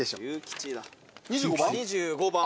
２５番？